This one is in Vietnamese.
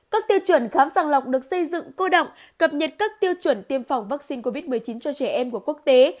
các tiêu chuẩn khám sàng lọc được xây dựng cô động cập nhật các tiêu chuẩn tiêm phòng vaccine covid một mươi chín cho trẻ em của quốc tế